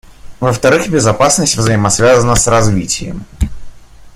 Во-вторых, безопасность взаимосвязана с развитием.